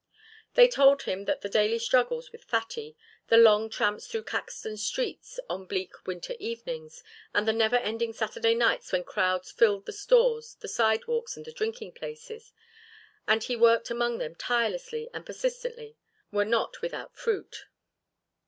They told him that the daily struggles with Fatty, the long tramps through Caxton's streets on bleak winter evenings, and the never ending Saturday nights when crowds filled the stores, the sidewalks, and the drinking places, and he worked among them tirelessly and persistently were not without fruit.